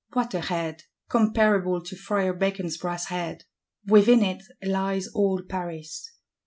What a head; comparable to Friar Bacon's Brass Head! Within it lies all Paris.